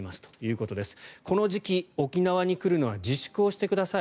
この時期、沖縄に来るのは自粛をしてください。